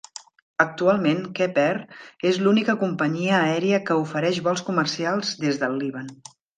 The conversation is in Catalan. Actualment, Cape Air és l'única companyia aèria que ofereix vols comercials des del Líban.